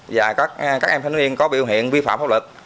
và các em thanh niên có biểu hiện vi phạm pháp lực